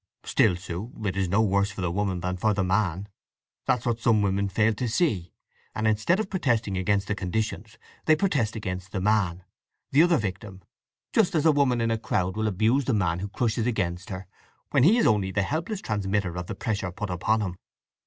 "Still, Sue, it is no worse for the woman than for the man. That's what some women fail to see, and instead of protesting against the conditions they protest against the man, the other victim; just as a woman in a crowd will abuse the man who crushes against her, when he is only the helpless transmitter of the pressure put upon him."